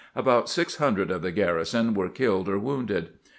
About 600 of the garrison were killed or wounded.